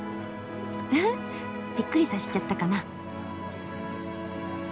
うふっびっくりさせちゃったかな？